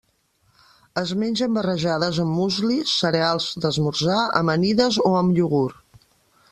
Es mengen barrejades amb musli, cereals d'esmorzar, amanides o amb iogurt.